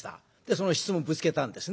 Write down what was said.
その質問ぶつけたんですね。